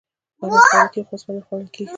غنم خوړل کیږي خو اوسپنه نه خوړل کیږي.